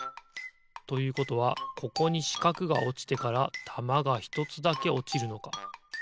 ということはここにしかくがおちてからたまがひとつだけおちるのか。